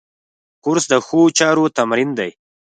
کورس د ښو چارو تمرین دی.